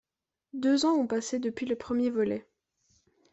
Deux ans ont passé depuis le premier volet.